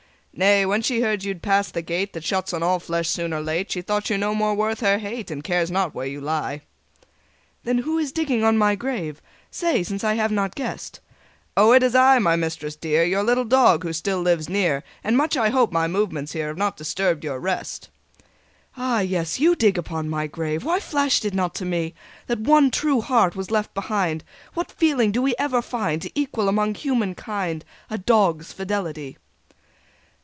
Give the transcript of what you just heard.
"Nay: when she heard you had passed the Gate That shuts on all flesh soon or late, She thought you no more worth her hate, And cares not where you lie. "Then, who is digging on my grave? Say since I have not guessed!" "O it is I, my mistress dear, Your little dog , who still lives near, And much I hope my movements here Have not disturbed your rest?" "Ah yes! You dig upon my grave... Why flashed it not to me That one true heart was left behind! What feeling do we ever find To equal among human kind A dog's fidelity!"